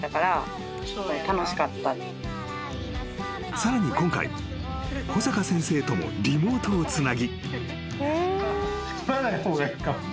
［さらに今回小坂先生ともリモートをつなぎ］